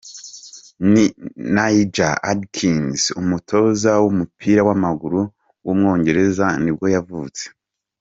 Nigel Adkins, umutoza w’umupira w’amaguru w’umwongereza nibwo yavutse.